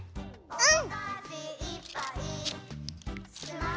うん。